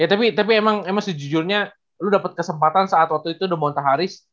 ya tapi emang sejujurnya lu dapet kesempatan saat waktu itu the monta harris